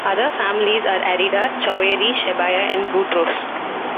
Other families are Arida, Choueiri, Shebaya and Boutros.